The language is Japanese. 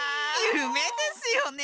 ゆめですよね。